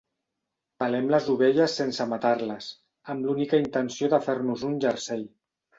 Pelem les ovelles sense matar-les, amb l'única intenció de fer-nos un jersei.